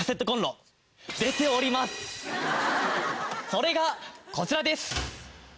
それがこちらです！